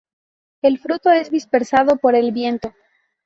El fruto es dispersado por el viento.